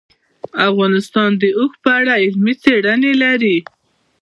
افغانستان د اوښ په اړه علمي څېړنې لري.